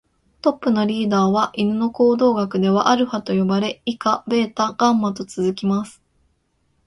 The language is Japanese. トップのリーダーは犬の行動学ではアルファと呼ばれ、以下ベータ、ガンマと続きます。